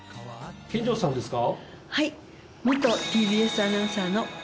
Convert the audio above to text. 見城さんですか？